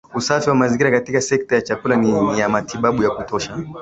Usafi wa mazingira katika sekta ya chakula ni ya matibabu ya kutosha